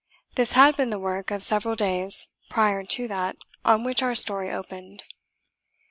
This had been the work of several days prior to that on which our story opened.